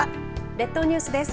列島ニュースです。